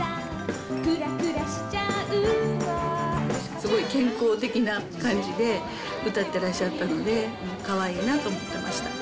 すごい健康的な感じで歌ってらっしゃったので、かわいいなと思っていました。